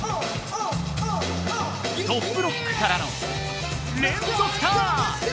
トップロックからの連続ターン。